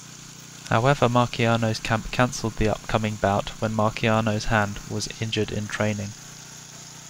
However Marciano's camp cancelled the upcoming bout when Marciano's hand was injured in training.